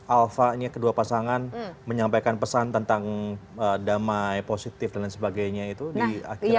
alfanya kedua pasangan menyampaikan pesan tentang damai positif dan lain sebagainya itu di akhir tahun